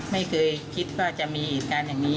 ไม่เคยคิดว่าจะมีเหตุการณ์อย่างนี้